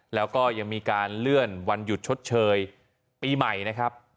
แล้วก็ยังมีการเลื่อนวันหยุดชดเชยปีใหม่นะครับ